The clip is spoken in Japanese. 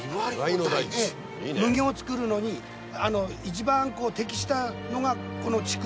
麦を作るのに一番適したのがこの地区。